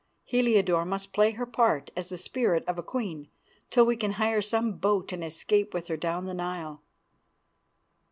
Heliodore must play her part as the spirit of a queen till we can hire some boat and escape with her down the Nile."